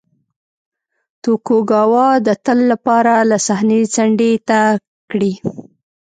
توکوګاوا د تل لپاره له صحنې څنډې ته کړي.